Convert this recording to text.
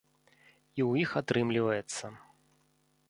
І ў іх атрымліваецца.